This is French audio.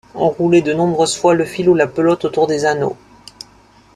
Enrouler de nombreuses fois le fil ou la pelote autour des anneaux.